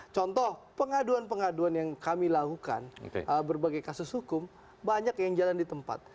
contoh pengaduan pengaduan yang kami lakukan berbagai kasus hukum banyak yang jalan di tempat